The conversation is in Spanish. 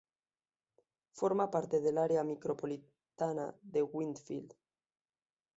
Forma parte del área micropolitana de Winfield.